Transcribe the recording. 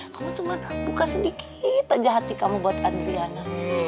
kamu cuma buka sedikit aja hati kamu buat adriana